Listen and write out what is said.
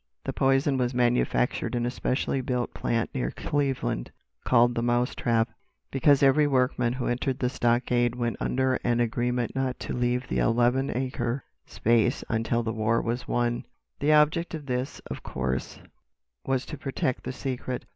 "The poison was manufactured in a specially built plant near Cleveland, called the 'Mouse Trap,' because every workman who entered the stockade went under an agreement not to leave the eleven acre space until the war was won. The object of this, of course, was to protect the secret.